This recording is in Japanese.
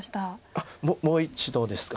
あっもう一度ですか。